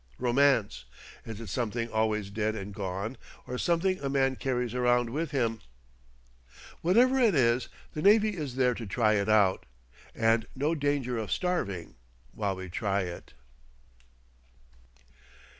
Romance! Is it something always dead and gone, or something a man carries around with him? Whatever it is, the navy is there to try it out, and no danger of starving while we try it.